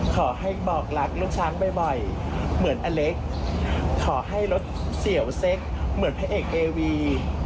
ขอให้บอกรักลูกช้างบ่อยเหมือนอเล็กขอให้รถเสี่ยวเซ็กเหมือนพระเอกเอวี